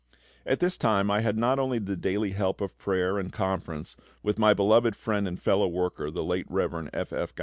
At this time I had not only the daily help of prayer and conference with my beloved friend and fellow worker the late Rev. F. F.